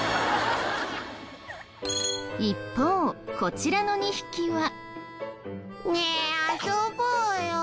一方こちらの２匹は。